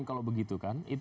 kalau begitu kan